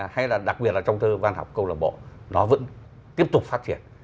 hay là đặc biệt là trong thơ văn học câu lạc bộ nó vẫn tiếp tục phát triển